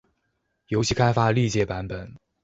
游戏开发历届版本